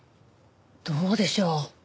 どうでしょう。